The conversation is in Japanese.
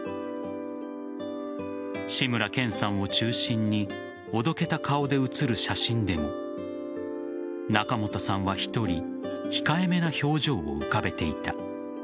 志村けんさんを中心におどけた顔で写る写真でも仲本さんは１人控えめな表情を浮かべていた。